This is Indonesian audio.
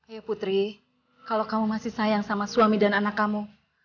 eh putri kalau kamu masih sayang sama suami dan anak kamu